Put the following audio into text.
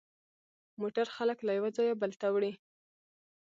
موټر خلک له یوه ځایه بل ته وړي.